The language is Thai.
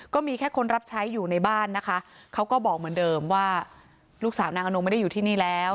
ก็มีแค่คนรับใช้อยู่ในบ้านนะคะเขาก็บอกเหมือนเดิมว่าลูกสาวนางอนงไม่ได้อยู่ที่นี่แล้ว